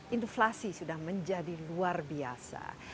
inflasi sudah menjadi luar biasa